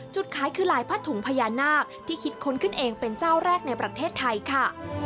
จุดขายคือลายผ้าถุงพญานาคที่คิดค้นขึ้นเองเป็นเจ้าแรกในประเทศไทยค่ะ